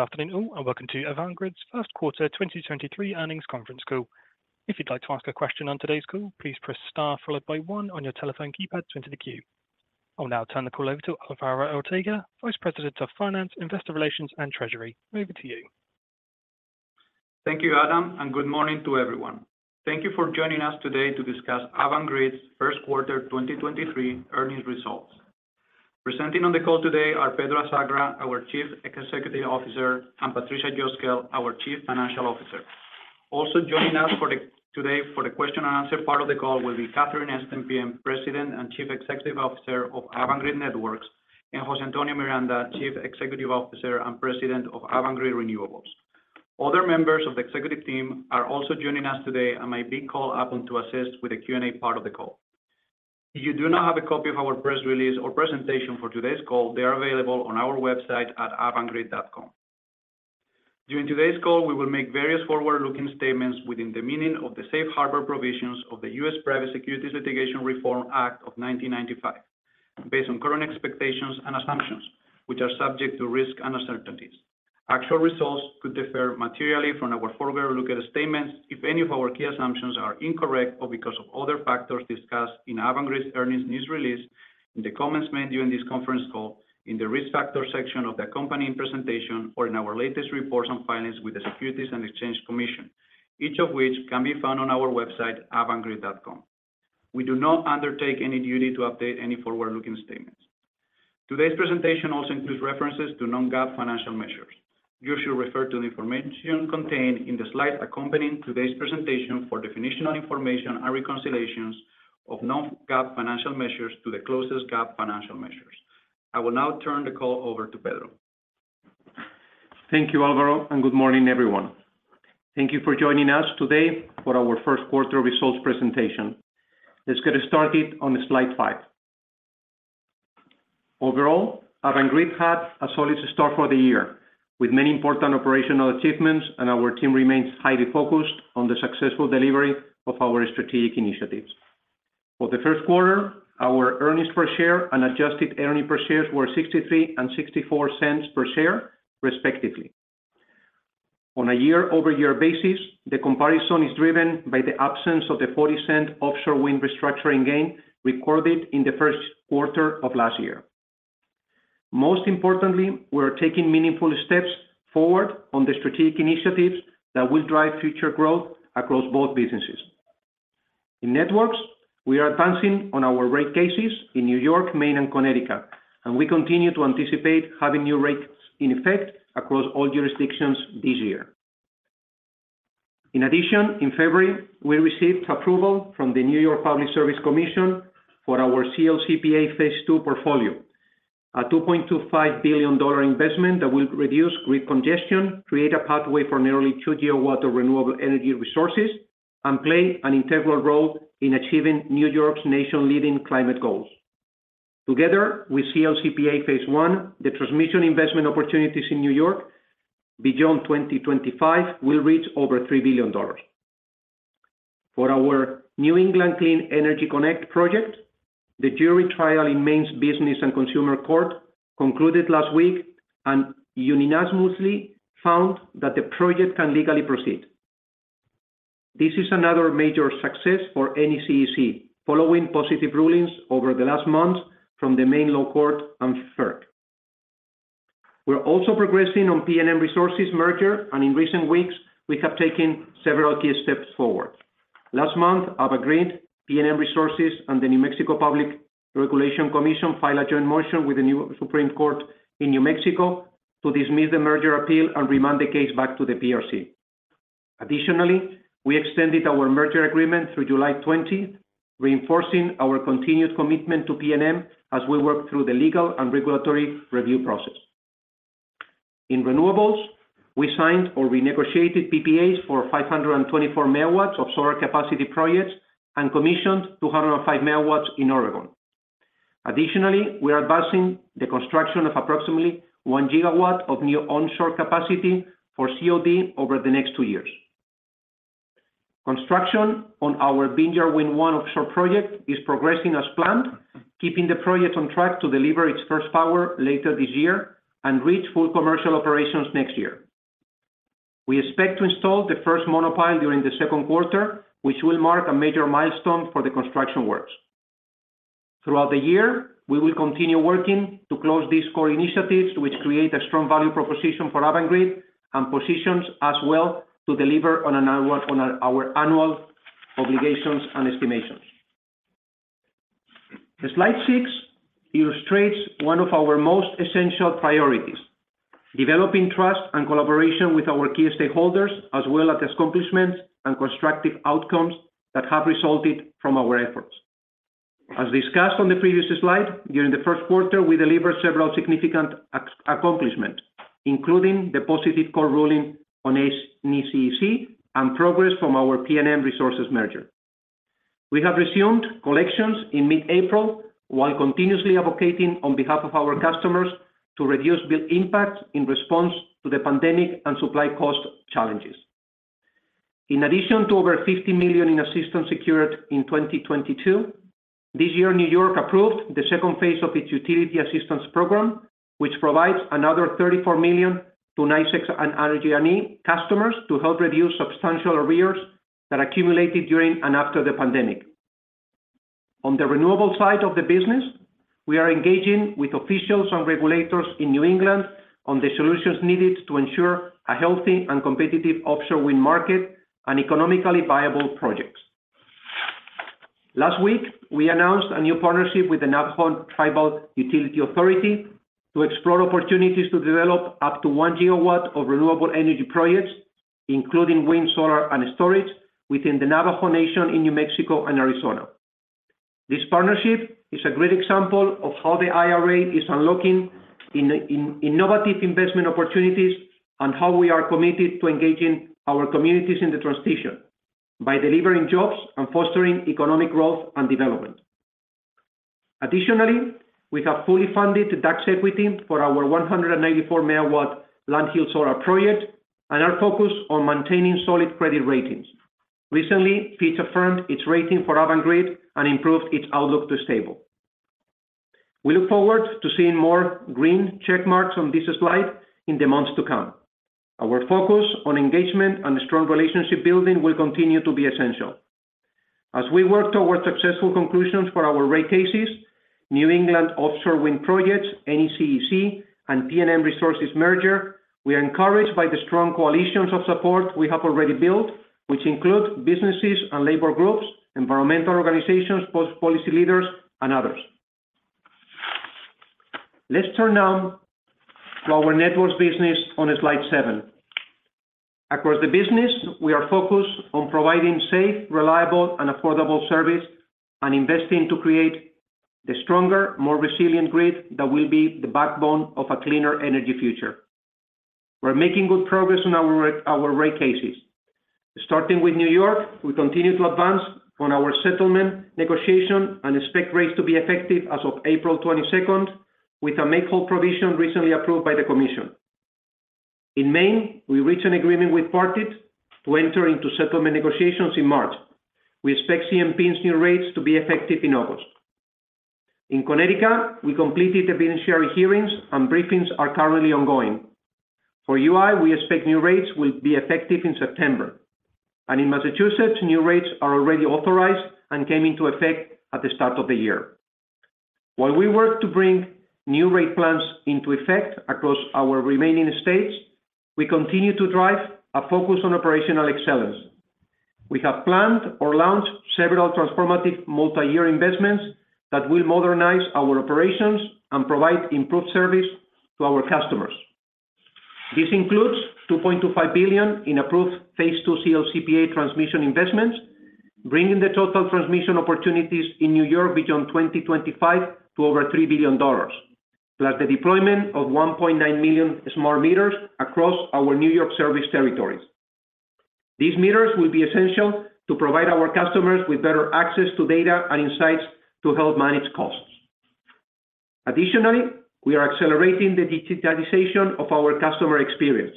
Good afternoon all, welcome to Avangrid's First Quarter 2023 Earnings Conference Call. If you'd like to ask a question on today's call, please press star followed by one on your telephone keypad to enter the queue. I'll now turn the call over to Alvaro Ortega, Vice President of Finance, Investor Relations, and Treasury. Over to you. Thank you, Adam, and good morning to everyone. Thank you for joining us today to discuss Avangrid's First Quarter 2023 Earnings Results. Presenting on the call today are Pedro Azagra, our Chief Executive Officer, and Patricia Cosgel, our Chief Financial Officer. Also joining us today for the question and answer part of the call will be Catherine Stempien, President and Chief Executive Officer of Avangrid Networks, and Jose Antonio Miranda, Chief Executive Officer and President of Avangrid Renewables. Other members of the executive team are also joining us today and may be called upon to assist with the Q&A part of the call. If you do not have a copy of our press release or presentation for today's call, they are available on our website at avangrid.com. During today's call, we will make various forward-looking statements within the meaning of the Safe Harbor provisions of the U.S. Private Securities Litigation Reform Act of 1995, based on current expectations and assumptions, which are subject to risk and uncertainties. Actual results could differ materially from our forward-looking statements if any of our key assumptions are incorrect or because of other factors discussed in Avangrid's earnings news release, in the comments made during this conference call, in the Risk Factors section of the company presentation, or in our latest reports on filings with the Securities and Exchange Commission, each of which can be found on our website, avangrid.com. We do not undertake any duty to update any forward-looking statements. Today's presentation also includes references to non-GAAP financial measures. You should refer to the information contained in the slides accompanying today's presentation for definitional information and reconciliations of non-GAAP financial measures to the closest GAAP financial measures. I will now turn the call over to Pedro. Thank you, Alvaro. Good morning, everyone. Thank you for joining us today for our first quarter results presentation. Let's get started on slide. Overall, Avangrid had a solid start for the year, with many important operational achievements, and our team remains highly focused on the successful delivery of our strategic initiatives. For the first quarter, our earnings per share and adjusted earning per shares were $0.63 and $0.64 per share, respectively. On a year-over-year basis, the comparison is driven by the absence of the $0.40 offshore wind restructuring gain recorded in the first quarter of last year. Most importantly, we're taking meaningful steps forward on the strategic initiatives that will drive future growth across both businesses. In Networks, we are advancing on our rate cases in New York, Maine, and Connecticut, and we continue to anticipate having new rates in effect across all jurisdictions this year. In February, we received approval from the New York Public Service Commission for our CLCPA phase II portfolio, a $2.25 billion investment that will reduce grid congestion, create a pathway for nearly 2 GW of renewable energy resources, and play an integral role in achieving New York's nation-leading climate goals. Together with CLCPA phase I, the transmission investment opportunities in New York beyond 2025 will reach over $3 billion. For our New England Clean Energy Connect project, the jury trial in Maine Business and Consumer Court concluded last week and unanimously found that the project can legally proceed. This is another major success for NECEC, following positive rulings over the last months from the Maine Law Court and FERC. We're also progressing on PNM Resources merger, and in recent weeks, we have taken several key steps forward. Last month, Avangrid, PNM Resources, and the New Mexico Public Regulation Commission filed a joint motion with the New Mexico Supreme Court to dismiss the merger appeal and remand the case back to the PRC. We extended our merger agreement through July 20th, reinforcing our continued commitment to PNM as we work through the legal and regulatory review process. In renewables, we signed or renegotiated PPAs for 524 MW of solar capacity projects and commissioned 205 MW in Oregon. We are advancing the construction of approximately 1 GW of new onshore capacity for COD over the next two years. Construction on our Vineyard Wind 1 offshore project is progressing as planned, keeping the project on track to deliver its first power later this year and reach full commercial operations next year. We expect to install the first monopile during the second quarter, which will mark a major milestone for the construction works. Throughout the year, we will continue working to close these core initiatives, which create a strong value proposition for Avangrid and positions us well to deliver on our annual obligations and estimations. The slide six illustrates one of our most essential priorities: developing trust and collaboration with our key stakeholders, as well as accomplishments and constructive outcomes that have resulted from our efforts. As discussed on the previous slide, during the first quarter, we delivered several significant accomplishments, including the positive court ruling on NECEC and progress from our PNM Resources merger. We have resumed collections in mid-April while continuously advocating on behalf of our customers to reduce bill impacts in response to the pandemic and supply cost challenges. To over $50 million in assistance secured in 2022, this year, New York approved the second phase of its utility assistance program, which provides another $34 million to NYSEG and Avangrid customers to help reduce substantial arrears that accumulated during and after the pandemic. On the renewable side of the business, we are engaging with officials and regulators in New England on the solutions needed to ensure a healthy and competitive offshore wind market and economically viable projects. Last week, we announced a new partnership with the Navajo Tribal Utility Authority to explore opportunities to develop up to 1 GWof renewable energy projects, including wind, solar, and storage within the Navajo Nation in New Mexico and Arizona. This partnership is a great example of how the IRA is unlocking innovative investment opportunities and how we are committed to engaging our communities in the transition by delivering jobs and fostering economic growth and development. Additionally, we have fully funded the tax equity for our 184 MW Lund Hill Solar Project and are focused on maintaining solid credit ratings. Recently, Fitch affirmed its rating for Avangrid and improved its outlook to stable. We look forward to seeing more green check marks on this slide in the months to come. Our focus on engagement and strong relationship building will continue to be essential. As we work towards successful conclusions for our rate cases, New England offshore wind projects, NECEC, and PNM Resources merger, we are encouraged by the strong coalitions of support we have already built, which include businesses and labor groups, environmental organizations, post-policy leaders, and others. Let's turn now to our networks business on slide 7. Across the business, we are focused on providing safe, reliable, and affordable service and investing to create the stronger, more resilient grid that will be the backbone of a cleaner energy future. We're making good progress on our rate cases. Starting with New York, we continue to advance on our settlement negotiation and expect rates to be effective as of April 22nd, with a make-whole provision recently approved by the commission. In Maine, we reached an agreement with parties to enter into settlement negotiations in March. We expect CMP's new rates to be effective in August. In Connecticut, we completed the beneficiary hearings, briefings are currently ongoing. For UI, we expect new rates will be effective in September. In Massachusetts, new rates are already authorized and came into effect at the start of the year. While we work to bring new rate plans into effect across our remaining states, we continue to drive a focus on operational excellence. We have planned or launched several transformative multi-year investments that will modernize our operations and provide improved service to our customers. This includes $2.25 billion in approved Phase 2 CLCPA transmission investments, bringing the total transmission opportunities in New York beyond 2025 to over $3 billion. Plus the deployment of 1.9 million smart meters across our New York service territories. These meters will be essential to provide our customers with better access to data and insights to help manage costs. Additionally, we are accelerating the digitalization of our customer experience.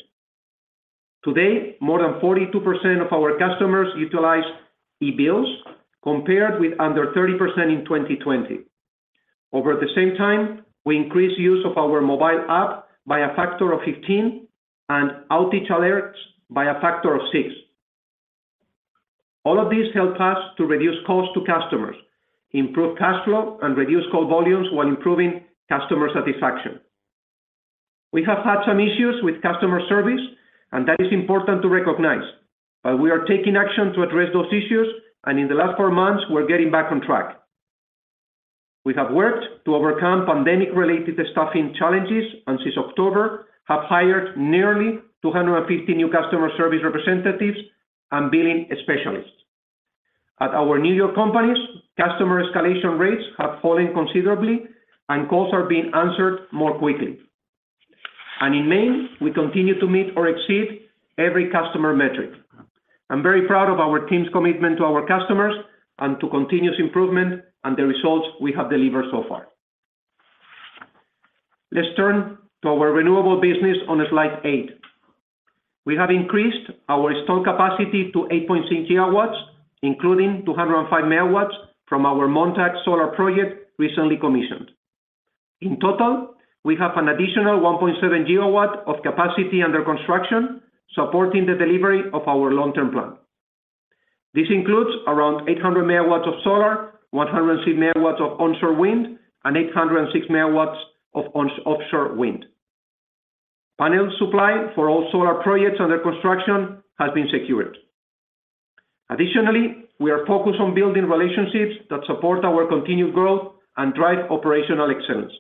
Today, more than 42% of our customers utilize e-bills, compared with under 30% in 2020. Over the same time, we increased use of our mobile app by a factor of 15 and outage alerts by a factor of six. All of these help us to reduce costs to customers, improve cash flow, and reduce call volumes while improving customer satisfaction. We have had some issues with customer service. That is important to recognize. We are taking action to address those issues, and in the last 4 months, we're getting back on track. We have worked to overcome pandemic-related staffing challenges, and since October, have hired nearly 250 new customer service representatives and billing specialists. At our New York companies, customer escalation rates have fallen considerably, and calls are being answered more quickly. In Maine, we continue to meet or exceed every customer metric. I'm very proud of our team's commitment to our customers and to continuous improvement and the results we have delivered so far. Let's turn to our renewable business on slide 8. We have increased our installed capacity to 8.6 GW, including 205 MW from our Montague Solar project recently commissioned. In total, we have an additional 1.7 GW of capacity under construction, supporting the delivery of our long-term plan. This includes around 800 MW of solar, 106 MW of onshore wind, and 806 MW of offshore wind. Panel supply for all solar projects under construction has been secured. Additionally, we are focused on building relationships that support our continued growth and drive operational excellence.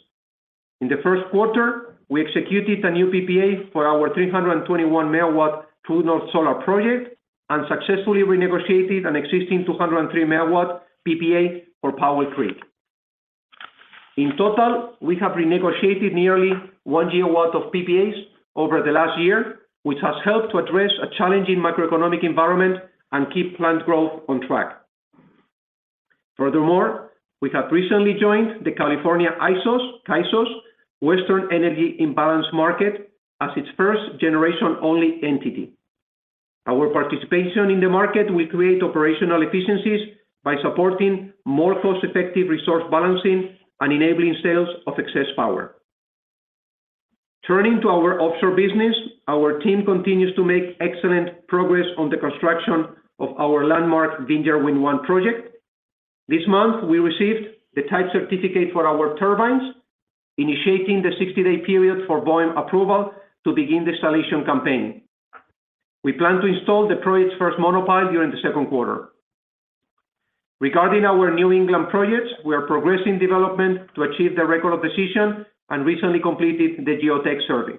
In the first quarter, we executed a new PPA for our 321 MW True North Solar project and successfully renegotiated an existing 203 MW PPA for Powell Creek. In total, we have renegotiated nearly 1 GW of PPAs over the last year, which has helped to address a challenging macroeconomic environment and keep planned growth on track. We have recently joined the California ISO, CAISO's Western Energy Imbalance Market as its first generation-only entity. Our participation in the market will create operational efficiencies by supporting more cost-effective resource balancing and enabling sales of excess power. Turning to our offshore business, our team continues to make excellent progress on the construction of our landmark Vineyard Wind 1 project. This month, we received the type certificate for our turbines, initiating the 60-day period for volume approval to begin the installation campaign. We plan to install the project's first monopile during the second quarter. Regarding our New England projects, we are progressing development to achieve the record of decision and recently completed the geotech survey.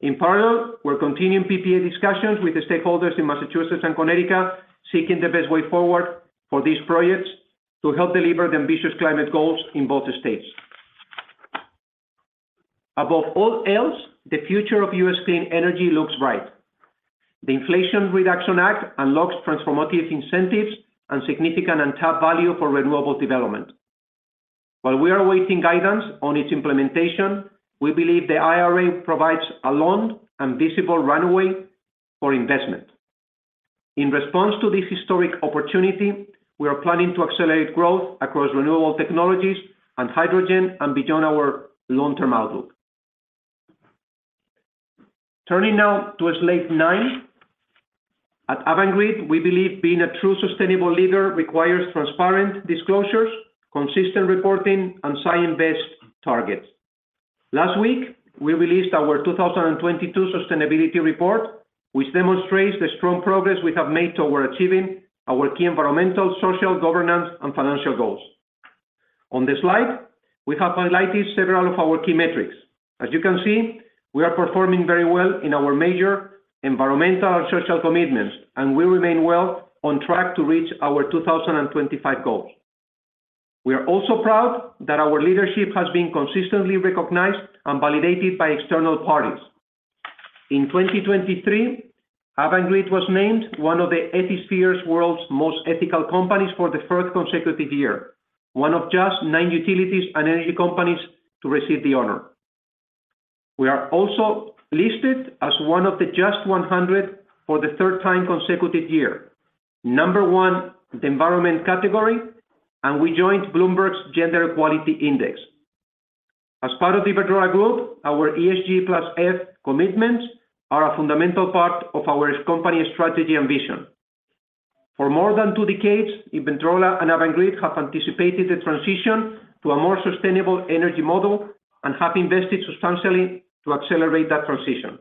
In parallel, we're continuing PPA discussions with the stakeholders in Massachusetts and Connecticut, seeking the best way forward for these projects to help deliver the ambitious climate goals in both states. Above all else, the future of U.S. clean energy looks bright. The Inflation Reduction Act unlocks transformative incentives and significant untapped value for renewable development. While we are awaiting guidance on its implementation, we believe the IRA provides a long and visible runway for investment. In response to this historic opportunity, we are planning to accelerate growth across renewable technologies and hydrogen and beyond our long-term outlook. Turning now to slide nine. At Avangrid, we believe being a true sustainable leader requires transparent disclosures, consistent reporting, and science-based targets. Last week, we released our 2022 sustainability report, which demonstrates the strong progress we have made toward achieving our key environmental, social, governance, and financial goals. On this slide, we have highlighted several of our key metrics. As you can see, we are performing very well in our major environmental and social commitments, and we remain well on track to reach our 2025 goals. We are also proud that our leadership has been consistently recognized and validated by external parties. In 2023, Avangrid was named one of Ethisphere's World's Most Ethical Companies for the third consecutive year, one of just nine utilities and energy companies to receive the honor. We are also listed as one of the JUST 100 for the third time consecutive year. Number one, the environment category. We joined Bloomberg's Gender Equality Index. As part of the Iberdrola Group, our ESG+F commitments are a fundamental part of our company strategy and vision. For more than two decades, Iberdrola and Avangrid have anticipated the transition to a more sustainable energy model and have invested substantially to accelerate that transition.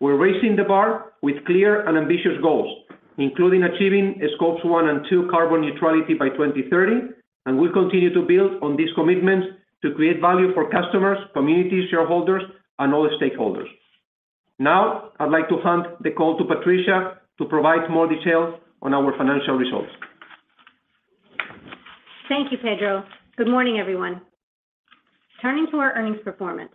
We're raising the bar with clear and ambitious goals, including achieving scopes 1 and 2 carbon neutrality by 2030. We continue to build on these commitments to create value for customers, communities, shareholders, and all stakeholders. Now, I'd like to hand the call to Patricia to provide more details on our financial results. Thank you, Pedro. Good morning, everyone. Turning to our earnings performance.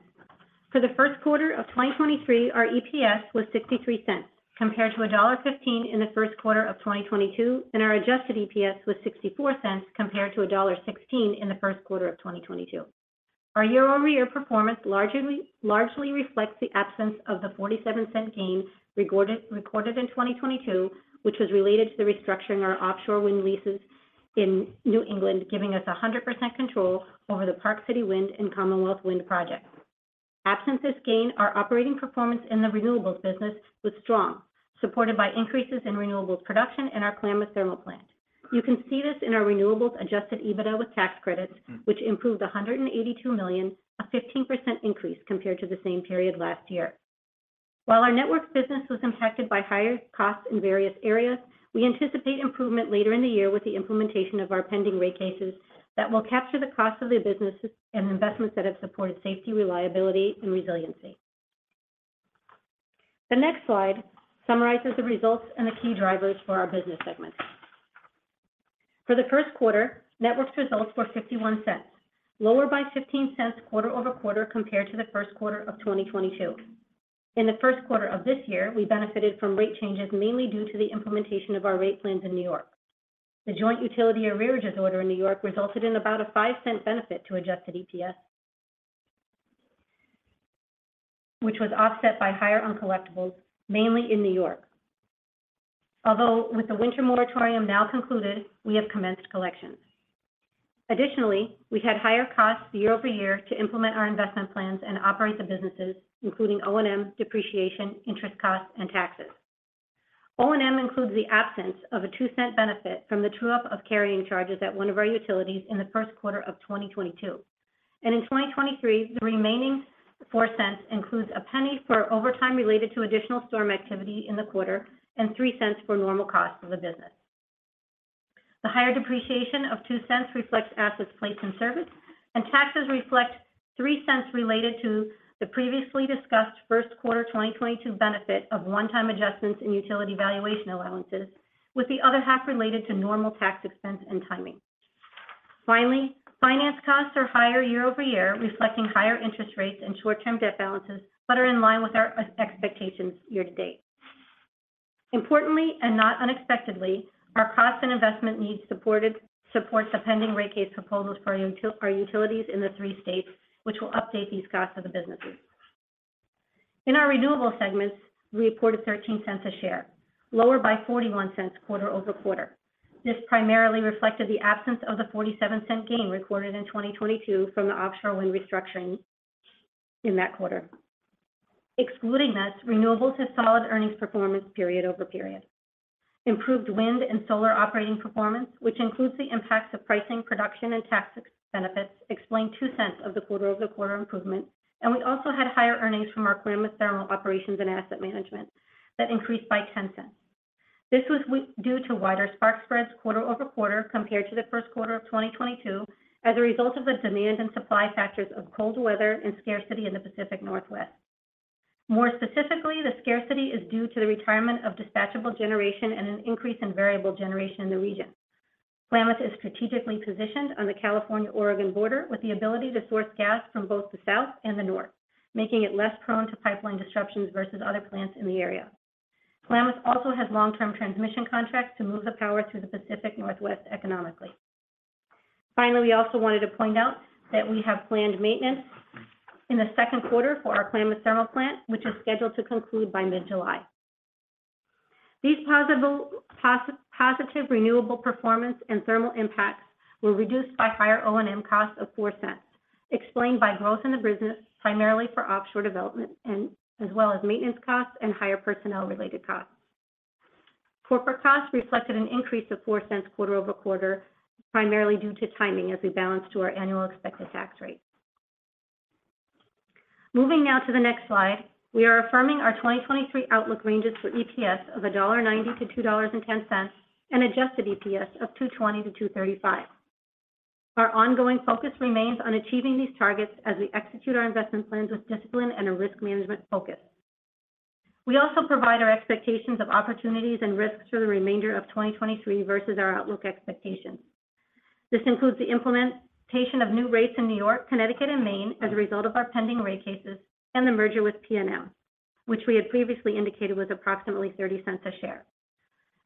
For the first quarter of 2023, our EPS was $0.63, compared to $1.15 in the first quarter of 2022. Our adjusted EPS was $0.64 compared to $1.16 in the first quarter of 2022. Our year-over-year performance largely reflects the absence of the $0.47 gain recorded in 2022, which was related to the restructuring our offshore wind leases in New England, giving us 100% control over the Park City Wind and Commonwealth Wind projects. Absent this gain, our operating performance in the renewables business was strong, supported by increases in renewables production in our Klamath thermal plant. You can see this in our renewables adjusted EBITDA with tax credits, which improved $182 million, a 15% increase compared to the same period last year. While our Networks business was impacted by higher costs in various areas, we anticipate improvement later in the year with the implementation of our pending rate cases that will capture the cost of the businesses and investments that have supported safety, reliability, and resiliency. The next slide summarizes the results and the key drivers for our business segments. For the first quarter, Networks results were $0.51, lower by $0.15 quarter-over-quarter compared to the first quarter of 2022. In the first quarter of this year, we benefited from rate changes mainly due to the implementation of our rate plans in New York. The joint utility arrearages order in New York resulted in about a $0.05 benefit to adjusted EPS, which was offset by higher uncollectibles, mainly in New York. Although with the winter moratorium now concluded, we have commenced collections. We had higher costs year-over-year to implement our investment plans and operate the businesses, including O&M, depreciation, interest costs, and taxes. O&M includes the absence of a $0.02 benefit from the true-up of carrying charges at one of our utilities in the first quarter of 2022. In 2023, the remaining $0.04 includes $0.01 for overtime related to additional storm activity in the quarter and $0.03 for normal cost of the business. The higher depreciation of $0.02 reflects assets placed in service, and taxes reflect $0.03 related to the previously discussed first quarter 2022 benefit of one-time adjustments in utility valuation allowances, with the other half related to normal tax expense and timing. Finance costs are higher year-over-year, reflecting higher interest rates and short-term debt balances that are in line with our expectations year-to-date. Importantly, not unexpectedly, our costs and investment needs supports the pending rate case proposals for utilities in the three states, which will update these costs of the businesses. In our renewables segment, we reported $0.13 a share, lower by $0.41 quarter-over-quarter. This primarily reflected the absence of the $0.47 gain recorded in 2022 from the offshore wind restructuring in that quarter. Excluding this, renewables had solid earnings performance period over period. Improved wind and solar operating performance, which includes the impacts of pricing, production, and tax benefits, explained $0.02 of the quarter-over-quarter improvement. We also had higher earnings from our Klamath thermal operations and asset management that increased by $0.10. This was due to wider spark spreads quarter-over-quarter compared to the first quarter of 2022, as a result of the demand and supply factors of cold weather and scarcity in the Pacific Northwest. More specifically, the scarcity is due to the retirement of dispatchable generation and an increase in variable generation in the region. Klamath is strategically positioned on the California-Oregon border, with the ability to source gas from both the south and the north, making it less prone to pipeline disruptions versus other plants in the area. Klamath also has long-term transmission contracts to move the power to the Pacific Northwest economically. Finally, we also wanted to point out that we have planned maintenance in the second quarter for our Klamath Thermal Plant, which is scheduled to conclude by mid-July. These positive renewable performance and thermal impacts were reduced by higher O&M costs of $0.04, explained by growth in the business primarily for offshore development and as well as maintenance costs and higher personnel-related costs. Corporate costs reflected an increase of $0.04 quarter-over-quarter, primarily due to timing as we balance to our annual expected tax rate. Moving now to the next slide. We are affirming our 2023 outlook ranges for EPS of $1.90-$2.10 and adjusted EPS of $2.20-$2.35. Our ongoing focus remains on achieving these targets as we execute our investment plans with discipline and a risk management focus. We also provide our expectations of opportunities and risks for the remainder of 2023 versus our outlook expectations. This includes the implementation of new rates in New York, Connecticut and Maine as a result of our pending rate cases and the merger with PNM, which we had previously indicated was approximately $0.30 a share,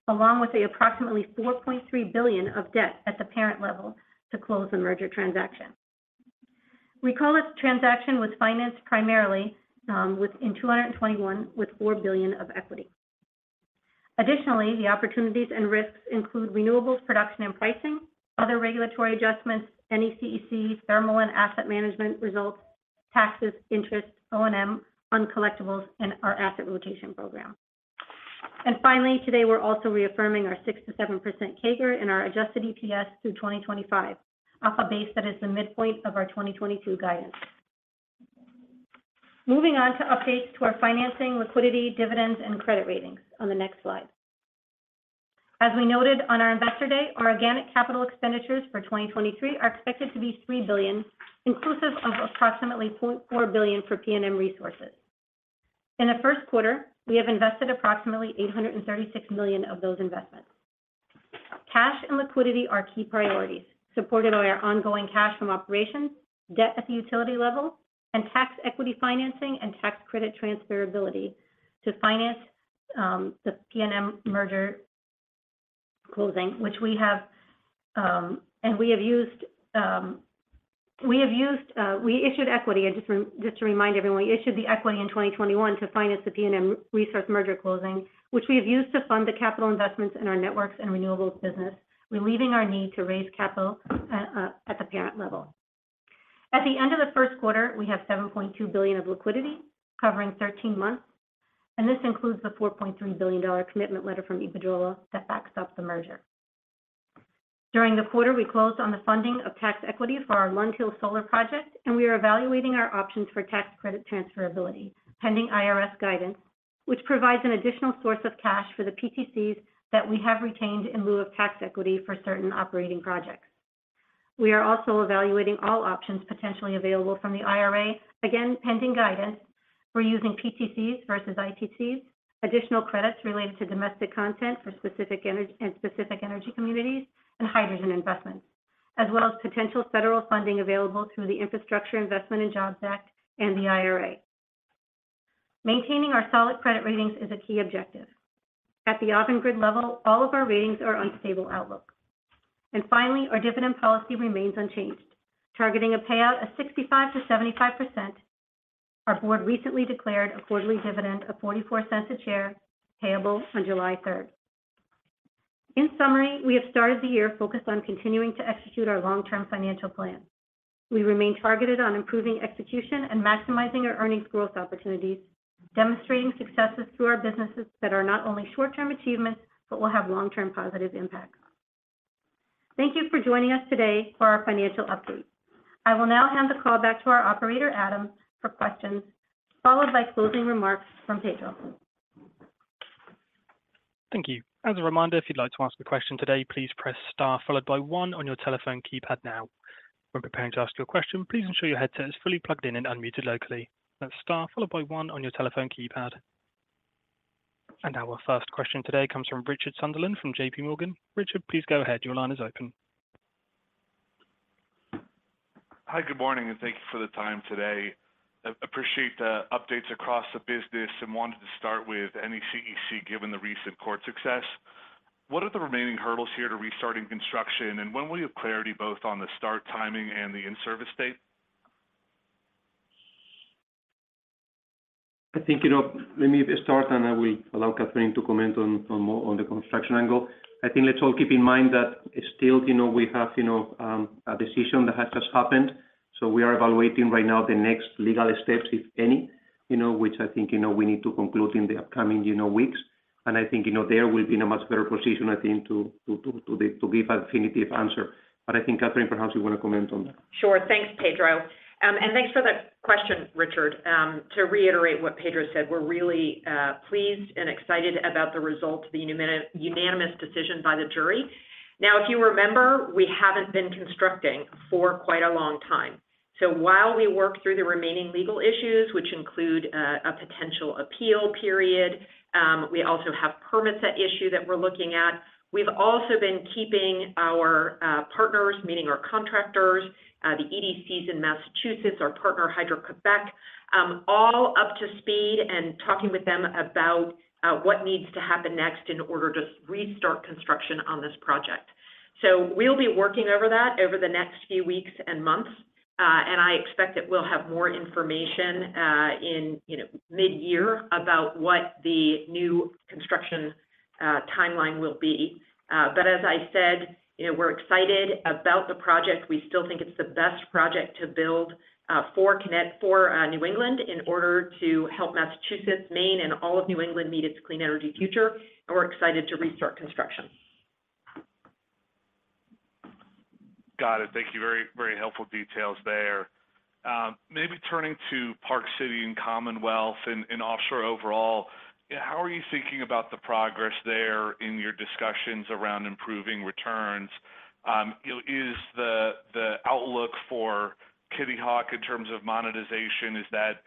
along with the approximately $4.3 billion of debt at the parent level to close the merger transaction. Recall this transaction was financed primarily, with in 2021 with $4 billion of equity. Additionally, the opportunities and risks include renewables production and pricing, other regulatory adjustments, NECEC, thermal and asset management results, taxes, interest, O&M, uncollectibles, and our asset rotation program. Finally, today, we're also reaffirming our 6%-7% CAGR in our adjusted EPS through 2025 off a base that is the midpoint of our 2022 guidance. Moving on to updates to our financing, liquidity, dividends, and credit ratings on the next slide. As we noted on our Investor Day, our organic capital expenditures for 2023 are expected to be $3 billion, inclusive of approximately $0.4 billion for PNM Resources. In the first quarter, we have invested approximately $836 million of those investments. Cash and liquidity are key priorities, supported by our ongoing cash from operations, debt at the utility level, and tax equity financing and tax credit transferability to finance the PNM merger closing, we issued equity. Just to remind everyone, we issued the equity in 2021 to finance the PNM Resources merger closing, which we have used to fund the capital investments in our networks and renewables business, relieving our need to raise capital at the parent level. At the end of the first quarter, we have $7.2 billion of liquidity covering 13 months, and this includes the $4.3 billion commitment letter from Iberdrola that backs up the merger. During the quarter, we closed on the funding of tax equity for our Lund Hill Solar Project, and we are evaluating our options for tax credit transferability, pending IRS guidance, which provides an additional source of cash for the PTCs that we have retained in lieu of tax equity for certain operating projects. We are also evaluating all options potentially available from the IRA. Again, pending guidance for using PTCs versus ITCs, additional credits related to domestic content for specific and specific energy communities, and hydrogen investments, as well as potential federal funding available through the Infrastructure Investment and Jobs Act and the IRA. Maintaining our solid credit ratings is a key objective. At the Avangrid level, all of our ratings are on stable outlooks. Finally, our dividend policy remains unchanged, targeting a payout of 65%-75%. Our board recently declared a quarterly dividend of $0.44 a share, payable on July 3rd. In summary, we have started the year focused on continuing to execute our long-term financial plan. We remain targeted on improving execution and maximizing our earnings growth opportunities, demonstrating successes through our businesses that are not only short-term achievements but will have long-term positive impacts. Thank you for joining us today for our financial update. I will now hand the call back to our operator, Adam, for questions, followed by closing remarks from Pedro. Thank you. As a reminder, if you'd like to ask a question today, please press star followed by one on your telephone keypad now. When preparing to ask your question, please ensure your headset is fully plugged in and unmuted locally. That's star followed by one on your telephone keypad. Our first question today comes from Richard Sunderland from JPMorgan. Richard, please go ahead. Your line is open. Hi. Good morning, and thank you for the time today. Appreciate the updates across the business and wanted to start with NECEC, given the recent court success. What are the remaining hurdles here to restarting construction, and when will you have clarity both on the start timing and the in-service date? I think, you know, let me start, and I will allow Catherine to comment on more on the construction angle. I think let's all keep in mind that it's still, you know, we have, you know, a decision that has just happened, so we are evaluating right now the next legal steps, if any, you know, which I think, you know, we need to conclude in the upcoming, you know, weeks. I think, you know, there we'll be in a much better position, I think, to be, to give a definitive answer. I think, Catherine, perhaps you want to comment on that. Sure. Thanks, Pedro. Thanks for that question, Richard. To reiterate what Pedro said, we're really pleased and excited about the results of the unanimous decision by the jury. If you remember, we haven't been constructing for quite a long time. While we work through the remaining legal issues, which include a potential appeal period, we also have permits at issue that we're looking at. We've also been keeping our partners, meaning our contractors, the EDCs in Massachusetts, our partner, Hydro-Québec, all up to speed and talking with them about what needs to happen next in order to restart construction on this project. We'll be working over that over the next few weeks and months, and I expect that we'll have more information, in, you know, mid-year about what the new construction timeline will be. As I said, you know, we're excited about the project. We still think it's the best project to build for New England in order to help Massachusetts, Maine, and all of New England meet its clean energy future. We're excited to restart construction. Got it. Thank you. Very, very helpful details there. Maybe turning to Park City and Commonwealth and offshore overall, how are you thinking about the progress there in your discussions around improving returns? You know, is the outlook for Kitty Hawk in terms of monetization, is that,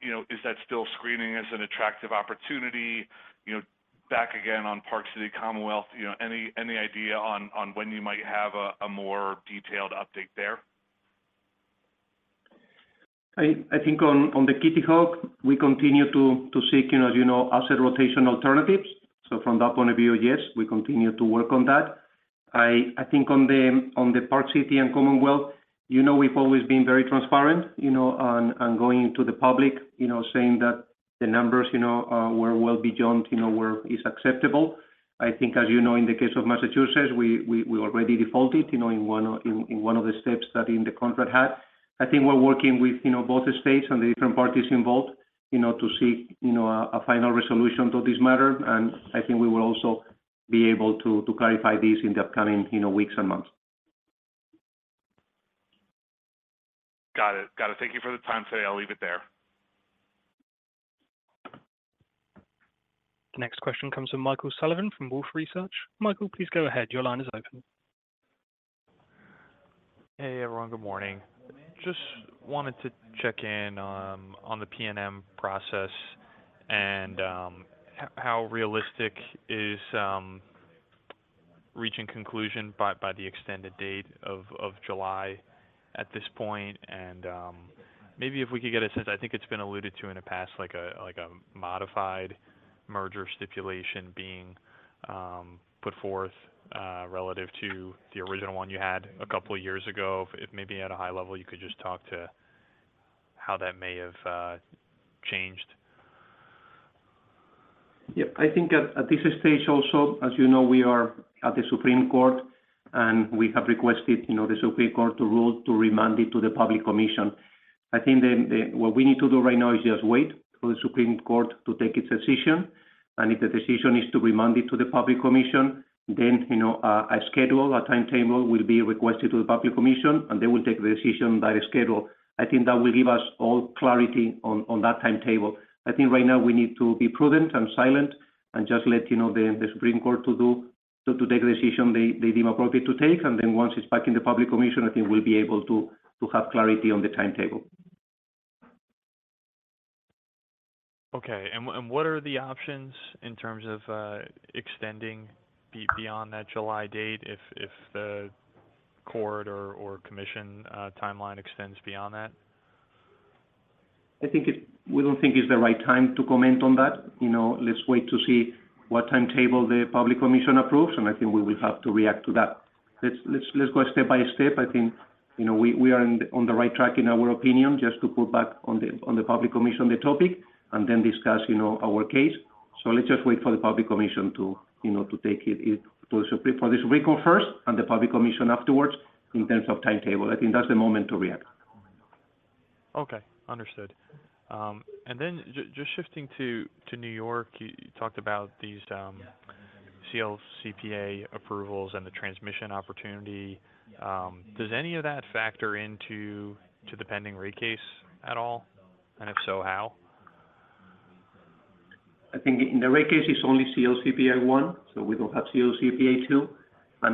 you know, is that still screening as an attractive opportunity? You know, back again on Park City, Commonwealth, you know, any idea on when you might have a more detailed update there? I think on the Kitty Hawk, we continue to seek, you know, as you know, asset rotation alternatives. From that point of view, yes, we continue to work on that. I think on the Park City and Commonwealth, you know, we've always been very transparent, you know, on going to the public, you know, saying that the numbers, you know, were well beyond, you know, where is acceptable. I think, as you know, in the case of Massachusetts, we already defaulted, you know, in one of the steps that in the contract had. I think we're working with, you know, both the states and the different parties involved, you know, to seek, you know, a final resolution to this matter. I think we will also be able to clarify this in the upcoming, you know, weeks and months. Got it. Got it. Thank you for the time today. I'll leave it there. Next question comes from Michael Sullivan from Wolfe Research. Michael, please go ahead. Your line is open. Hey, everyone. Good morning. Just wanted to check in on the PNM process and how realistic is reaching conclusion by the extended date of July at this point? Maybe if we could get a sense, I think it's been alluded to in the past, like a modified merger stipulation being put forth relative to the original one you had a couple years ago. If maybe at a high level, you could just talk to how that may have changed? I think at this stage also, as you know, we are at the Supreme Court. We have requested, you know, the Supreme Court to rule to remand it to the Public Commission. I think what we need to do right now is just wait for the Supreme Court to take its decision. If the decision is to remand it to the Public Commission, you know, a schedule, a timetable will be requested to the Public Commission. They will take the decision by the schedule. I think that will give us all clarity on that timetable. I think right now we need to be prudent and silent and just let you know the Supreme Court to take the decision they deem appropriate to take. Once it's back in the Public Commission, I think we'll be able to have clarity on the timetable. Okay. What are the options in terms of extending beyond that July date if the court or commission timeline extends beyond that? We don't think it's the right time to comment on that. You know, let's wait to see what timetable the Public Commission approves. I think we will have to react to that. Let's go step by step. I think, you know, we are on the right track in our opinion just to put back on the Public Commission the topic and then discuss, you know, our case. Let's just wait for the Public Commission to, you know, to take it for this recall first and the Public Commission afterwards in terms of timetable. I think that's the moment to react. Okay. Understood. Just shifting to New York, you talked about these CLCPA approvals and the transmission opportunity. Does any of that factor into the pending rate case at all? If so, how? I think in the rate case, it's only CLCPA phase I, so we don't have CLCPA phase II.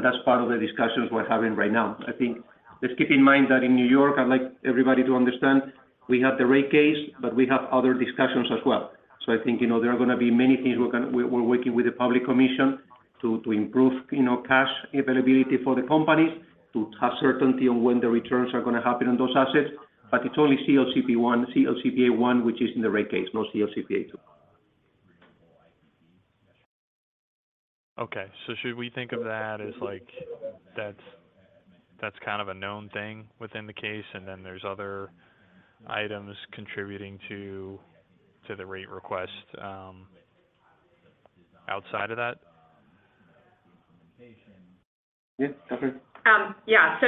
That's part of the discussions we're having right now. I think let's keep in mind that in New York, I'd like everybody to understand we have the rate case, but we have other discussions as well. I think, you know, there are gonna be many things we're working with the Public Commission to improve, you know, cash availability for the companies to have certainty on when the returns are gonna happen on those assets. It's only CLCPA phase I which is in the rate case, not CLCPA phase II. Okay. Should we think of that as, like, that's kind of a known thing within the case, and then there's other items contributing to the rate request outside of that? Yeah. Catherine? Yeah.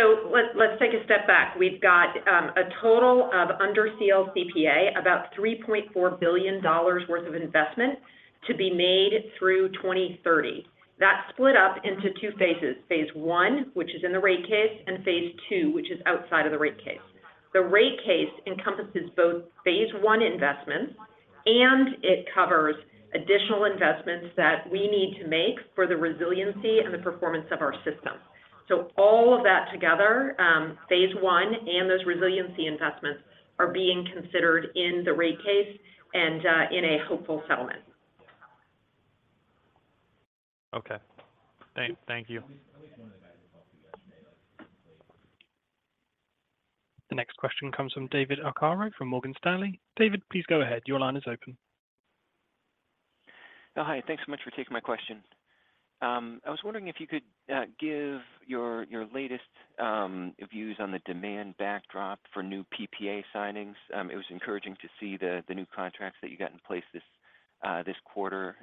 Let's take a step back. We've got a total of under CLCPA, about $3.4 billion worth of investment to be made through 2030. That's split up into 2 phases, Phase 1, which is in the rate case, and Phase 2, which is outside of the rate case. The rate case encompasses both Phase 1 investments, and it covers additional investments that we need to make for the resiliency and the performance of our system. All of that together, Phase 1 and those resiliency investments are being considered in the rate case and in a hopeful settlement. Okay. Thank you. The next question comes from David Arcaro from Morgan Stanley. David, please go ahead. Your line is open. Hi. Thanks so much for taking my question. I was wondering if you could give your latest views on the demand backdrop for new PPA signings. It was encouraging to see the new contracts that you got in place this quarter.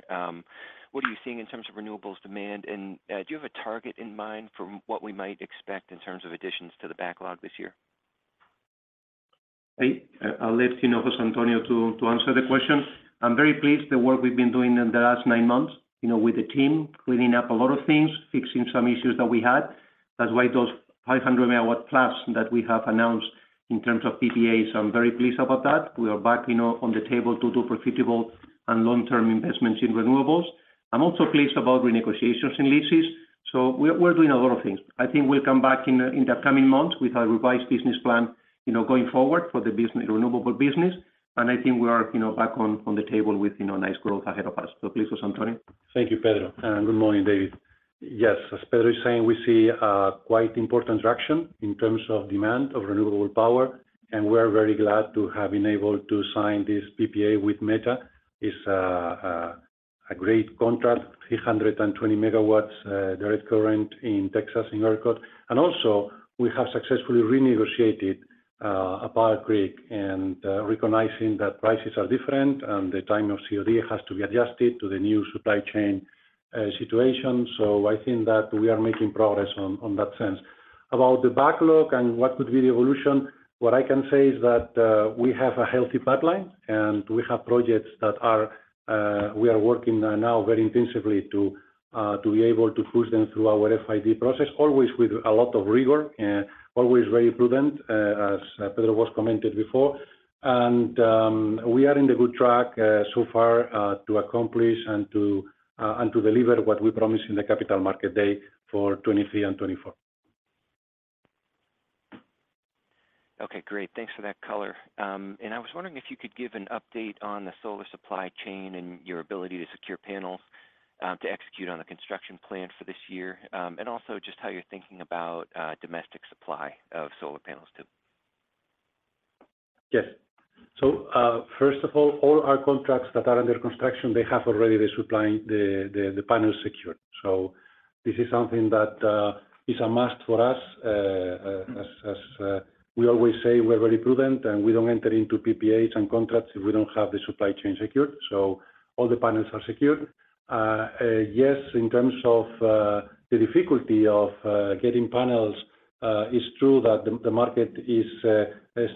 What are you seeing in terms of renewables demand, and do you have a target in mind for what we might expect in terms of additions to the backlog this year? I'll let, you know, Jose Antonio to answer the question. I'm very pleased the work we've been doing in the last nine months, you know, with the team, cleaning up a lot of things, fixing some issues that we had. Those 500 MW plus that we have announced in terms of PPAs, I'm very pleased about that. We are back, you know, on the table to do profitable and long-term investments in renewables. I'm also pleased about renegotiations in leases, we're doing a lot of things. I think we'll come back in the coming months with our revised business plan, you know, going forward for the renewable business, I think we are, you know, back on the table with, you know, nice growth ahead of us. Please, Jose Antonio. Thank you, Pedro. Good morning, David. Yes, as Pedro is saying, we see a quite important traction in terms of demand of renewable power. We're very glad to have been able to sign this PPA with Meta. It's a great contract, 320 MW, direct current in Texas in ERCOT. Also, we have successfully renegotiated Powell Creek and, recognizing that prices are different and the time of COD has to be adjusted to the new supply chain situation. I think that we are making progress on that sense. About the backlog and what could be the evolution, what I can say is that, we have a healthy pipeline, and we have projects that are, we are working now very intensively to be able to push them through our FID process, always with a lot of rigor, always very prudent, as Pedro was commented before. We are in the good track, so far, to accomplish and to, and to deliver what we promised in the Capital Markets Day for 2023 and 2024. Okay, great. Thanks for that color. I was wondering if you could give an update on the solar supply chain and your ability to secure panels to execute on the construction plan for this year. Also just how you're thinking about domestic supply of solar panels too. Yes. First of all our contracts that are under construction, they have already the supplying the panels secured. This is something that is a must for us. As we always say, we're very prudent, and we don't enter into PPAs and contracts if we don't have the supply chain secured. All the panels are secured. Yes, in terms of the difficulty of getting panels, it's true that the market is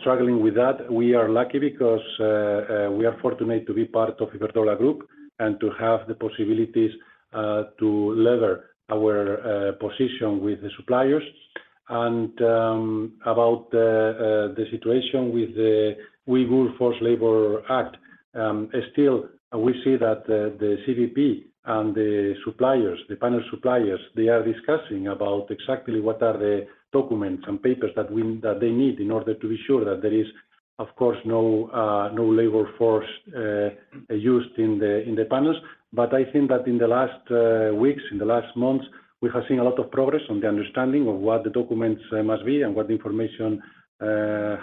struggling with that. We are lucky because we are fortunate to be part of Iberdrola Group and to have the possibilities to lever our position with the suppliers. About the situation with the Uyghur Forced Labor Prevention Act, still, we see that the CVP and the suppliers, the panel suppliers, they are discussing about exactly what are the documents and papers that they need in order to be sure that there is, of course, no labor force used in the panels. I think that in the last weeks, in the last months, we have seen a lot of progress on the understanding of what the documents must be and what information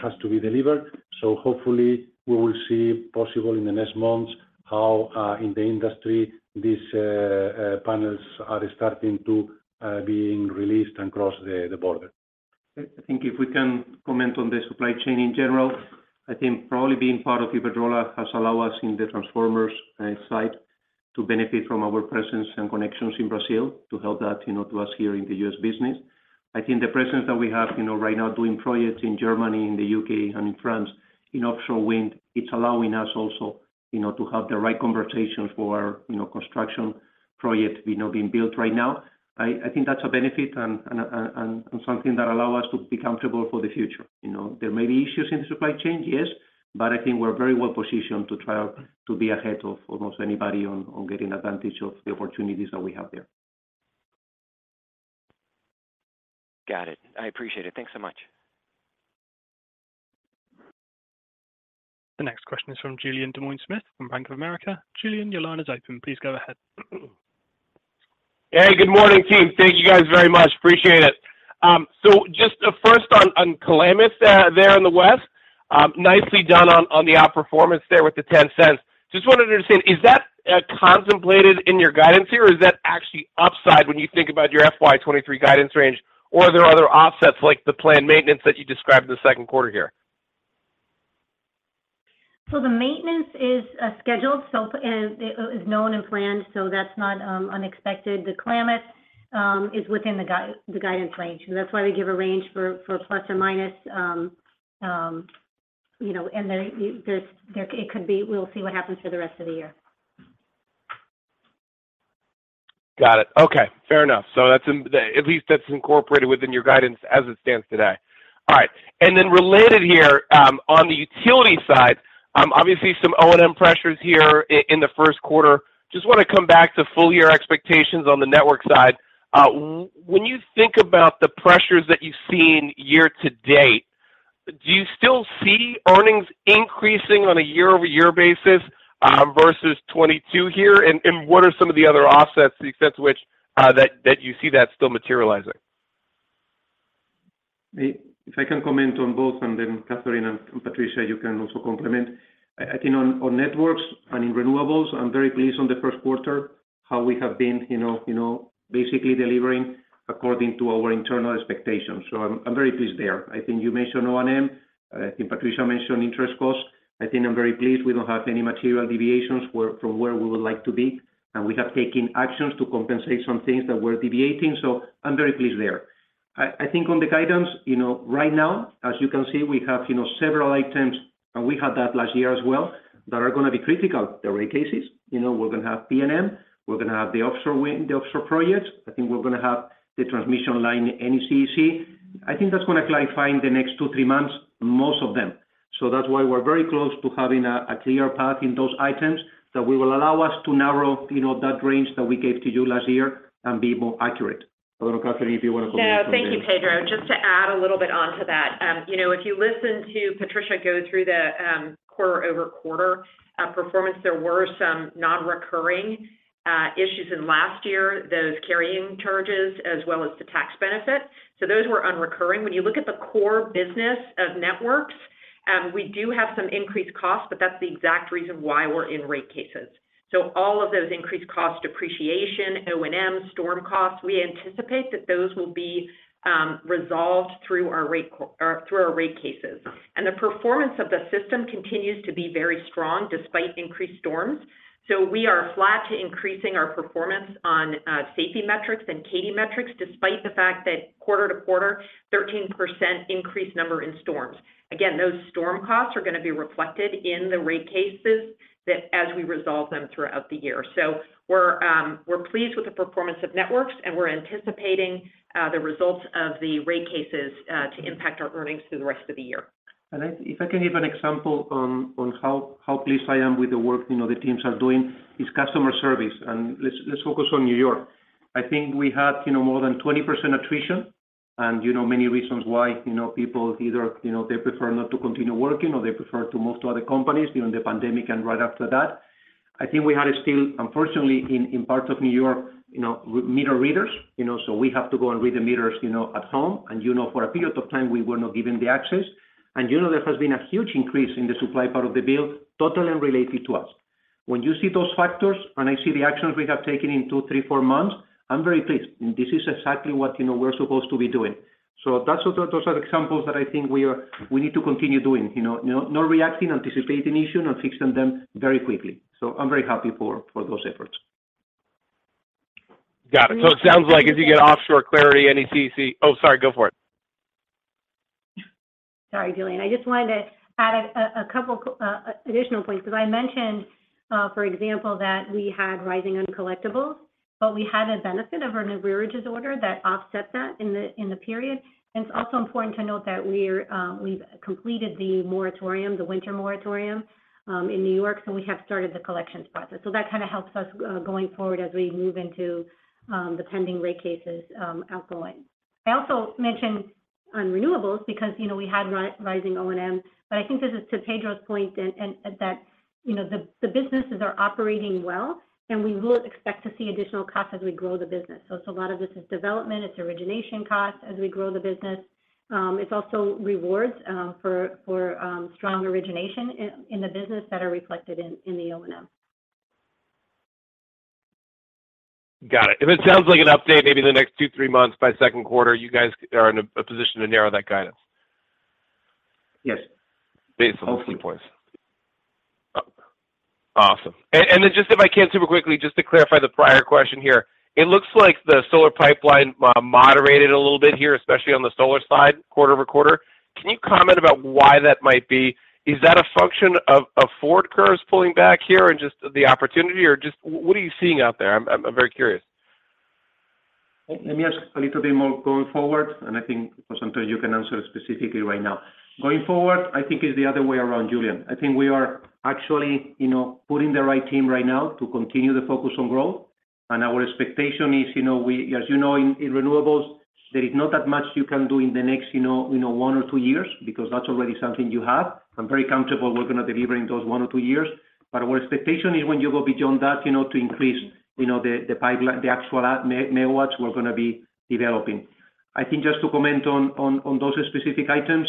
has to be delivered. Hopefully, we will see possible in the next months how in the industry these panels are starting to be released and cross the border. I think if we can comment on the supply chain in general, I think probably being part of Iberdrola has allowed us in the transformers side to benefit from our presence and connections in Brazil to help that, you know, to us here in the U.S. business. I think the presence that we have, you know, right now doing projects in Germany, in the U.K., and in France in offshore wind, it's allowing us also, you know, to have the right conversations for, you know, construction projects, you know, being built right now. I think that's a benefit and something that allow us to be comfortable for the future. You know, there may be issues in the supply chain, yes, but I think we're very well positioned to try out to be ahead of almost anybody on getting advantage of the opportunities that we have there. Got it. I appreciate it. Thanks so much. The next question is from Julien Dumoulin-Smith from Bank of America. Julien, your line is open. Please go ahead. Hey, good morning, team. Thank you guys very much. Appreciate it. Just first on Klamath there in the West, nicely done on the outperformance there with the $0.10. Just wanted to understand, is that contemplated in your guidance here? Is that actually upside when you think about your FY 2023 guidance range? Are there other offsets like the planned maintenance that you described in the second quarter here? The maintenance is scheduled, it is known and planned, that's not unexpected. The Klamath is within the guidance range. That's why we give a range for plus or minus, you know, it could be we'll see what happens for the rest of the year. Got it. Okay. Fair enough. At least that's incorporated within your guidance as it stands today. All right. Related here, on the utility side, obviously some O&M pressures in the first quarter. Just wanna come back to full year expectations on the network side. When you think about the pressures that you've seen year to date, do you still see earnings increasing on a year-over-year basis versus 2022 here? What are some of the other offsets to the extent to which that you see that still materializing? If I can comment on both, and then Catherine and Patricia, you can also complement. I think on Networks and in Renewables, I'm very pleased on the first quarter, how we have been, you know, basically delivering according to our internal expectations. I'm very pleased there. I think you mentioned O&M. I think Patricia mentioned interest costs. I think I'm very pleased we don't have any material deviations from where we would like to be, and we have taken actions to compensate some things that we're deviating. I'm very pleased there. I think on the guidance, you know, right now, as you can see, we have, you know, several items, and we had that last year as well, that are gonna be critical. The rate cases, you know, we're gonna have PNM, we're gonna have the offshore wind, the offshore projects. I think we're gonna have the transmission line NECEC. I think that's gonna clarify in the next 2, 3 months, most of them. That's why we're very close to having a clear path in those items that will allow us to narrow, you know, that range that we gave to you last year and be more accurate. I don't know, Catherine, if you wanna comment. Yeah. Thank you, Pedro. Just to add a little bit onto that. You know, if you listen to Patricia go through the quarter-over-quarter performance, there were some non-recurring issues in last year, those carrying charges as well as the tax benefit. Those were non-recurring. When you look at the core business of networks, we do have some increased costs, but that's the exact reason why we're in rate cases. All of those increased cost depreciation, O&M, storm costs, we anticipate that those will be resolved through our rate cases. The performance of the system continues to be very strong despite increased storms. We are flat to increasing our performance on safety metrics and KPI metrics despite the fact that quarter-to-quarter, 13% increased number in storms. Those storm costs are going to be reflected in the rate cases that as we resolve them throughout the year. We're pleased with the performance of Networks, and we're anticipating the results of the rate cases to impact our earnings through the rest of the year. If I can give an example on how pleased I am with the work, you know, the teams are doing, is customer service. Let's focus on New York. I think we had, you know, more than 20% attrition, and you know many reasons why, you know, people either, you know, they prefer not to continue working or they prefer to move to other companies during the pandemic and right after that. I think we had still, unfortunately, in parts of New York, you know, meter readers. You know, we have to go and read the meters, you know, at home. You know, for a period of time, we were not given the access. You know, there has been a huge increase in the supply part of the bill totally unrelated to us. When you see those factors and I see the actions we have taken in two, three, four months, I'm very pleased. This is exactly what, you know, we're supposed to be doing. Those are examples that I think we need to continue doing. You know, not reacting, anticipating issue, not fixing them very quickly. I'm very happy for those efforts. Got it. It sounds like if you get offshore clarity, NECEC Oh, sorry. Go for it. Sorry, Julien. I just wanted to add a couple additional points. As I mentioned, for example, that we had rising uncollectibles, but we had a benefit of an arrearages order that offset that in the period. It's also important to note that we've completed the moratorium, the winter moratorium in New York, so we have started the collections process. That kind of helps us going forward as we move into the pending rate cases outgoing. I also mentioned on renewables because, you know, we had rising O&M, but I think this is to Pedro's point and that, you know, the businesses are operating well, and we will expect to see additional costs as we grow the business. A lot of this is development, it's origination costs as we grow the business. It's also rewards for strong origination in the business that are reflected in the O&M. Got it. If it sounds like an update, maybe the next two, three months by second quarter, you guys are in a position to narrow that guidance. Yes. Based on those three points. Awesome. Just if I can super quickly just to clarify the prior question here. It looks like the solar pipeline moderated a little bit here, especially on the solar side, quarter-over-quarter. Can you comment about why that might be? Is that a function of forward curves pulling back here and just the opportunity or just what are you seeing out there? I'm very curious. Let me ask a little bit more going forward. I think for some time you can answer specifically right now. Going forward, I think it's the other way around, Julien. I think we are actually, you know, putting the right team right now to continue the focus on growth. Our expectation is, you know, as you know, in renewables, there is not that much you can do in the next, you know, one or two years because that's already something you have. I'm very comfortable we're gonna delivering those one or two years. Our expectation is when you go beyond that, you know, to increase, you know, the pipeline, the actual megawatts we're gonna be developing. I think just to comment on those specific items,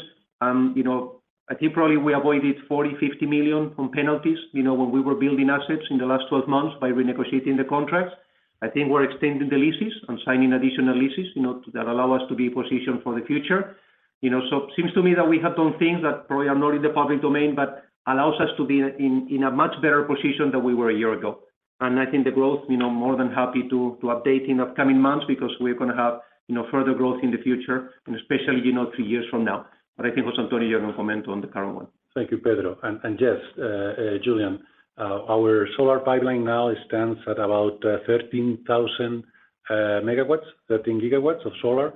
you know, I think probably we avoided $40 million-$50 million on penalties, you know, when we were building assets in the last 12 months by renegotiating the contracts. I think we're extending the leases and signing additional leases, you know, that allow us to be positioned for the future. You know, seems to me that we have done things that probably are not in the public domain, but allows us to be in a much better position than we were a year ago. I think the growth, you know, more than happy to update in upcoming months because we're gonna have, you know, further growth in the future and especially, you know, three years from now. I think also, Antonio, you want to comment on the current one. Thank you, Pedro. Yes, Julian, our solar pipeline now stands at about 13,000 MW, 13 GW of solar.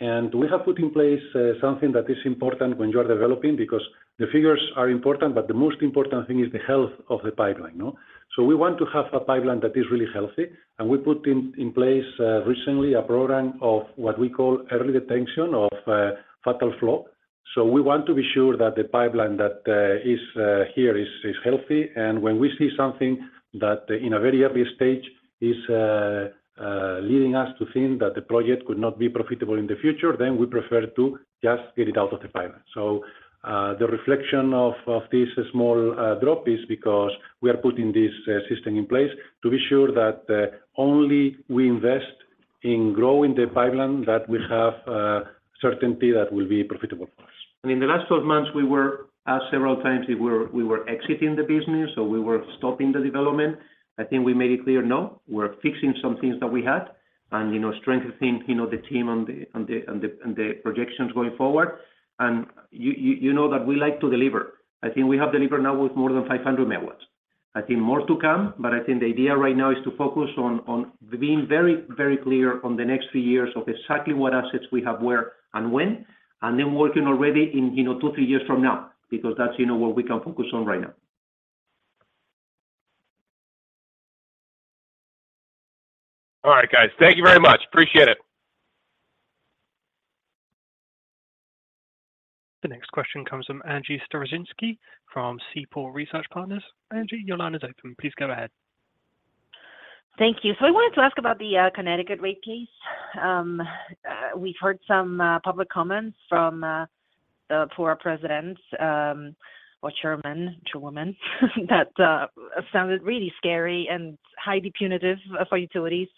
We have put in place something that is important when you are developing because the figures are important, but the most important thing is the health of the pipeline, no. We want to have a pipeline that is really healthy, and we put in place recently a program of what we call early detection of fatal flaw. We want to be sure that the pipeline that is here is healthy. When we see something that in a very early stage is leading us to think that the project could not be profitable in the future, we prefer to just get it out of the pipeline. The reflection of this small drop is because we are putting this system in place to be sure that only we invest in growing the pipeline that we have certainty that will be profitable for us. In the last 12 months, we were asked several times if we were exiting the business or we were stopping the development. I think we made it clear, no, we're fixing some things that we had and, you know, strengthening, you know, the team on the projections going forward. You know that we like to deliver. I think we have delivered now with more than 500 MW. I think more to come, but I think the idea right now is to focus on being very, very clear on the next three years of exactly what assets we have, where and when, and then working already in, you know, two, three years from now because that's, you know, what we can focus on right now. All right, guys. Thank you very much. Appreciate it. The next question comes from Angie Storozynski from Seaport Research Partners. Angie, your line is open. Please go ahead. Thank you. I wanted to ask about the Connecticut rate case. We've heard some public comments from the PURA president or chairman, chairwoman that sounded really scary and highly punitive for utilities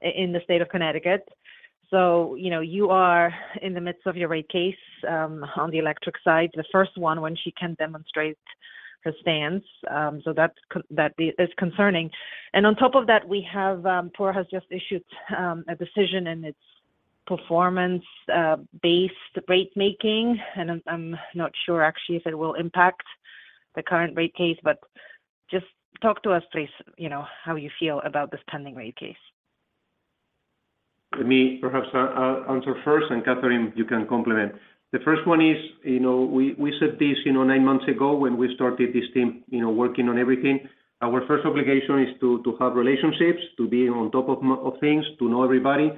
in the state of Connecticut. You know, you are in the midst of your rate case on the electric side, the first one when she can demonstrate her stance. That is concerning. On top of that, we have PURA has just issued a decision in its performance based rate making. I'm not sure actually if it will impact the current rate case, but just talk to us, please, you know, how you feel about this pending rate case? Let me perhaps answer first. Catherine, you can complement. The first one is, you know, we said this, you know, 9 months ago when we started this team, you know, working on everything. Our first obligation is to have relationships, to be on top of things, to know everybody.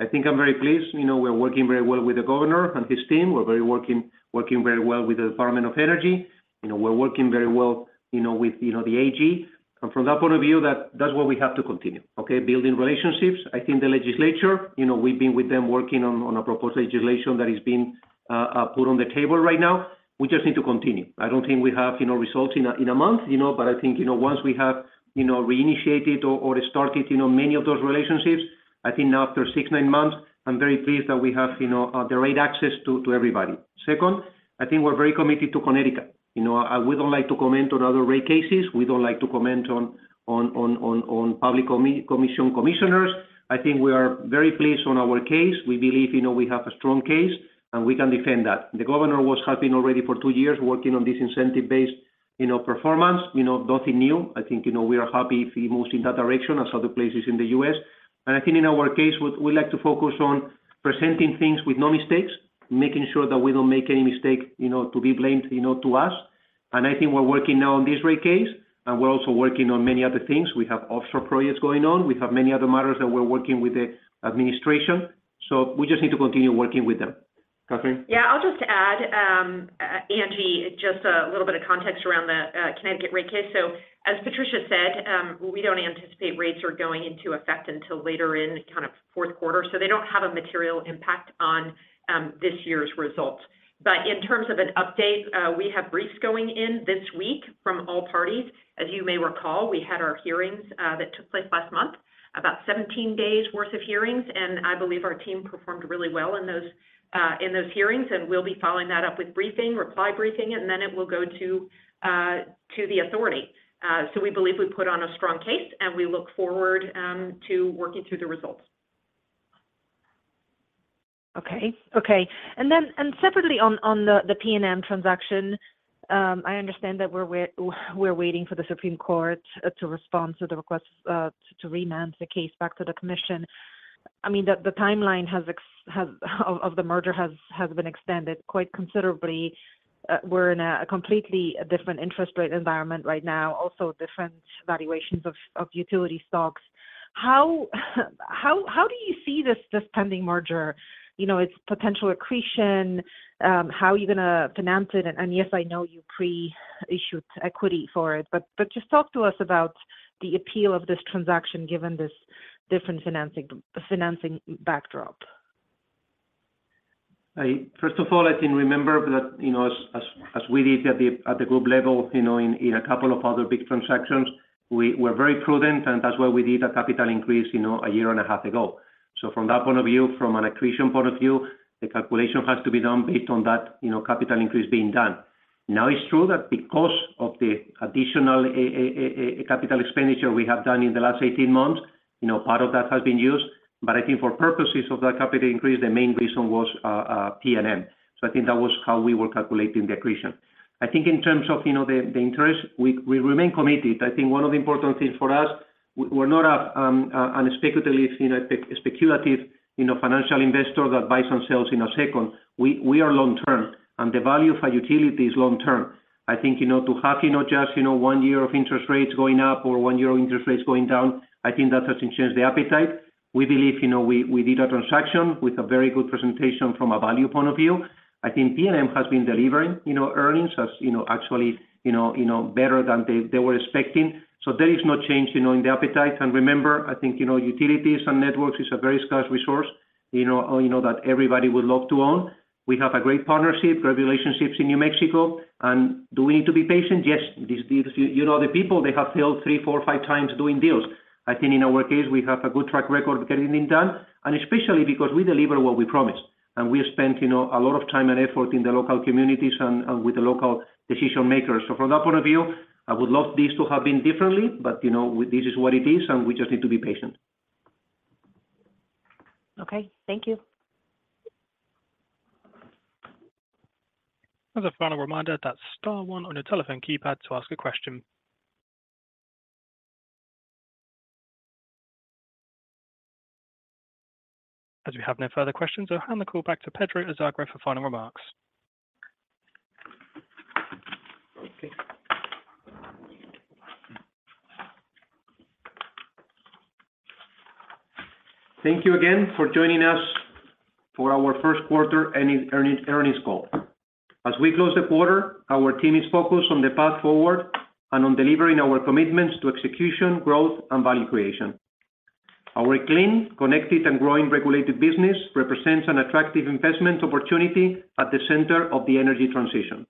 I think I'm very pleased. You know, we are working very well with the governor and his team. We're working very well with the Department of Energy. You know, we're working very well, you know, with, you know, the AG. From that point of view, that's what we have to continue. Building relationships. I think the legislature, you know, we've been with them working on a proposed legislation that is being put on the table right now. We just need to continue. I don't think we have results in a month. I think once we have reinitiated or restarted many of those relationships, I think now after six, nine months, I'm very pleased that we have the right access to everybody. Second, I think we're very committed to Connecticut. We don't like to comment on other rate cases. We don't like to comment on Public Commission commissioners. I think we are very pleased on our case. We believe we have a strong case, and we can defend that. The governor was helping already for two years working on this incentive-based performance. Nothing new. I think, you know, we are happy if he moves in that direction as other places in the U.S. I think in our case, we like to focus on presenting things with no mistakes, making sure that we don't make any mistake, you know, to be blamed, you know, to us. I think we're working now on this rate case, and we're also working on many other things. We have offshore projects going on. We have many other matters that we're working with the administration. We just need to continue working with them. Catherine? Yeah. I'll just add, Angie, just a little bit of context around the Connecticut rate case. As Patricia said, we don't anticipate rates are going into effect until later in kind of fourth quarter. They don't have a material impact on this year's results. In terms of an update, we have briefs going in this week from all parties. As you may recall, we had our hearings that took place last month, about 17 days worth of hearings, and I believe our team performed really well in those in those hearings. We'll be following that up with briefing, reply briefing, and then it will go to the authority. We believe we put on a strong case, and we look forward to working through the results. Okay. separately on the PNM transaction, I understand that we're waiting for the New Mexico Supreme Court to respond to the request to remand the case back to the Commission. I mean, the timeline has been extended quite considerably. we're in a completely different interest rate environment right now, also different valuations of utility stocks. How do you see this pending merger? You know, its potential accretion, how are you gonna finance it? yes, I know you pre-issued equity for it, just talk to us about the appeal of this transaction given this different financing backdrop. First of all, I can remember that, you know, as we did at the group level, you know, in a couple of other big transactions, we were very prudent, and that's why we did a capital increase, you know, a year and a half ago. From that point of view, from an accretion point of view, the calculation has to be done based on that, you know, capital increase being done. Now, it's true that because of the additional capital expenditure we have done in the last 18 months, you know, part of that has been used. I think for purposes of that capital increase, the main reason was PNM. I think that was how we were calculating the accretion. I think in terms of, you know, the interest, we remain committed. I think one of the important things for us, we're not an speculative, you know, speculative, you know, financial investor that buys and sells in a second. We are long term, and the value of our utility is long term. I think, you know, to have, you know, just, you know, one year of interest rates going up or one year of interest rates going down, I think that doesn't change the appetite. We believe, you know, we did a transaction with a very good presentation from a value point of view. I think PNM has been delivering, you know, earnings as, you know, actually, you know, better than they were expecting. There is no change, you know, in the appetite. Remember, I think, you know, utilities and networks is a very scarce resource, you know, you know, that everybody would love to own. We have a great partnership, great relationships in New Mexico. Do we need to be patient? Yes. These deals, you know the people, they have failed three, four, times doing deals. I think in our case, we have a good track record of getting it done, and especially because we deliver what we promise. We spent, you know, a lot of time and effort in the local communities and with the local decision-makers. From that point of view, I would love this to have been differently, but, you know, this is what it is, and we just need to be patient. Okay. Thank you. As a final reminder, that's star one on your telephone keypad to ask a question. As we have no further questions, I'll hand the call back to Pedro Azagra for final remarks. Thank you. Thank you again for joining us for our first quarter earnings call. As we close the quarter, our team is focused on the path forward and on delivering our commitments to execution, growth, and value creation. Our clean, connected, and growing regulated business represents an attractive investment opportunity at the center of the energy transition.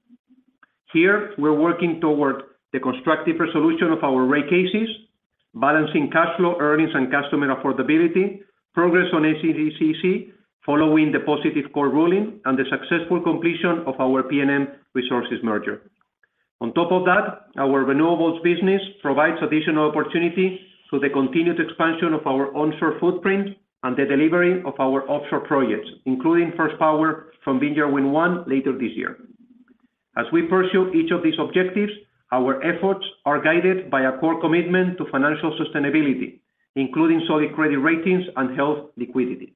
Here, we're working toward the constructive resolution of our rate cases, balancing cash flow, earnings, and customer affordability, progress on NECEC following the positive court ruling, and the successful completion of our PNM Resources merger. On top of that, our renewables business provides additional opportunities through the continued expansion of our onshore footprint and the delivery of our offshore projects, including first power from Vineyard Wind 1 later this year. As we pursue each of these objectives, our efforts are guided by a core commitment to financial sustainability, including solid credit ratings and health liquidity.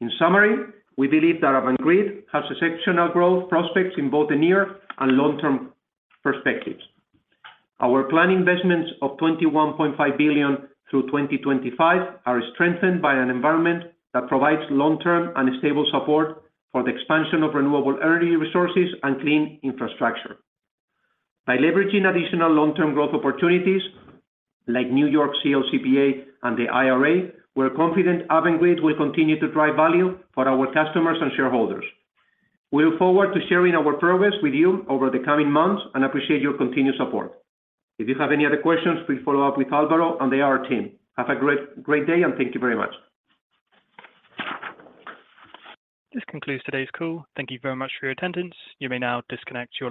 In summary, we believe that Avangrid has exceptional growth prospects in both the near and long-term perspectives. Our planned investments of $21.5 billion through 2025 are strengthened by an environment that provides long-term and stable support for the expansion of renewable energy resources and clean infrastructure. By leveraging additional long-term growth opportunities, like New York's CLCPA and the IRA, we're confident Avangrid will continue to drive value for our customers and shareholders. We look forward to sharing our progress with you over the coming months and appreciate your continued support. If you have any other questions, please follow up with Alvaro and the IR team. Have a great day, Thank you very much. This concludes today's call. Thank you very much for your attendance. You may now disconnect your line.